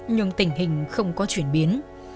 nhưng tình hình không có chuyển biến